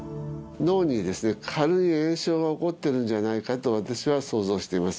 脳に軽い炎症が起こっているんじゃないかと、私は想像しています。